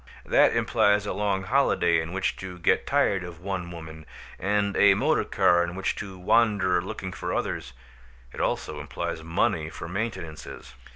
That implies a long holiday in which to get tired of one woman, and a motor car in which to wander looking for others; it also implies money for maintenances.